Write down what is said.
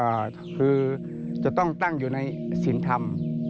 แต่ก็มีความแม้ว่าประชาชนคือจะต้องตั้งอยู่ในศิลป์ธรรม